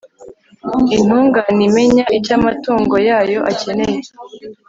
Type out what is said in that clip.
intungane imenya icyo amatungo yayo akeneye